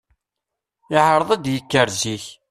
Iɛṛeḍ ad d-yekker zik.